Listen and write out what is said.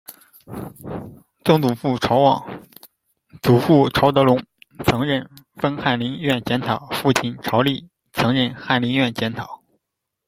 曾祖父晁旺；祖父晁德龙，曾任封翰林院检讨；父亲晁瑮，曾任翰林院检讨。